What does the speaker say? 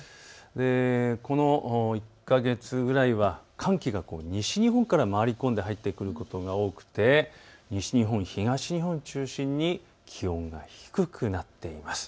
この１か月ぐらいは寒気が西日本から回り込んで入ってくることが多くて西日本、東日本を中心に気温が低くなっています。